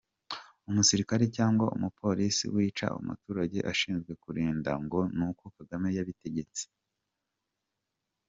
Umusirikare cyangwa umu Police wica umuturage ashinzwe kurinda ngo nuko Kagame yabitegetse,